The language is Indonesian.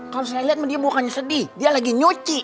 kalau saya liat mah dia bukannya sedih dia lagi nyuci